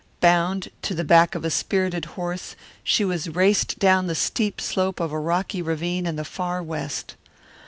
Bound to the back of a spirited horse, she was raced down the steep slope of a rocky ravine in the Far West.